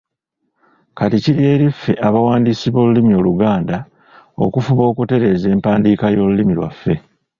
Kati kiri eri ffe abawandiisi b’olulimi Oluganda okufuba okutereeza empandiika y’olulimi lwaffe.